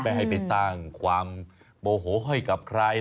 ให้ไปสร้างความโมโหให้กับใคร